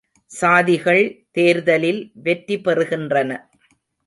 சாதிகள் தேர்தலில் வெற்றி பெறுகின்றன.